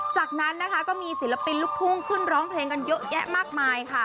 จากนั้นนะคะก็มีศิลปินลูกทุ่งขึ้นร้องเพลงกันเยอะแยะมากมายค่ะ